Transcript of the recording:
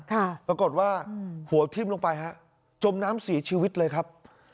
ปรากฏว่าหัวทิ้มลงไปฮะจมน้ำเสียชีวิตเลยครับ